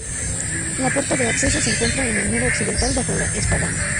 La puerta de acceso se encuentra en el muro occidental, bajo la espadaña.